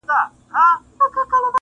هم په دې یو ټکي بدنام یمه باغي مې بولي